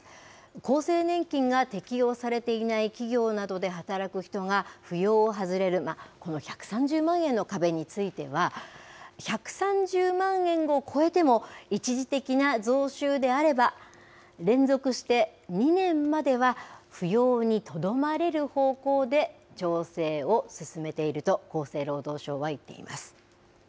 厚生年金が適用されていない企業などで働く人が扶養を外れる、この１３０万円の壁については、１３０万円を超えても一時的な増収であれば、連続して２年までは、扶養にとどまれる方向で調整を進めていると、厚生労働省は言っています。